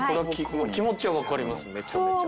気持ちはわかりますめちゃめちゃ。